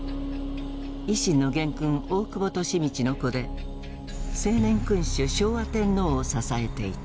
維新の元勲大久保利通の子で青年君主昭和天皇を支えていた。